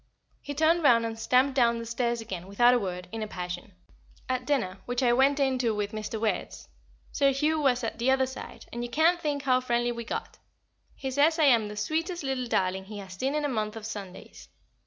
He turned round and stamped down the stairs again, without a word, in a passion. At dinner, which I went in to with Mr. Wertz, Sir Hugh was at the other side, and you can't think how friendly we got. He says I am the sweetest little darling he has seen in a month of Sundays.